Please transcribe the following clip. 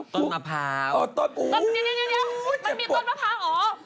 ต้นมะพร้าวอ๋อต้นโอ๊ยเดี๋ยวมันมีต้นมะพร้าวเหรอ